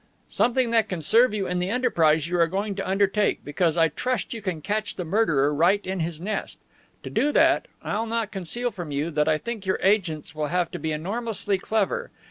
"Something that can serve you in the enterprise you are going to undertake, because I trust you can catch the murderer right in his nest. To do that, I'll not conceal from you that I think your agents will have to be enormously clever.